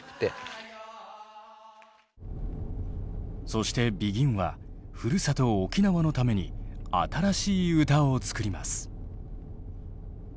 そしてＢＥＧＩＮはふるさと沖縄のために新しい歌を作ります。